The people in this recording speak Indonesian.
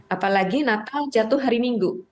apalagi natal jatuh hari minggu